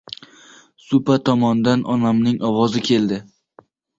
Supa tomondan onamning ovozi keldi: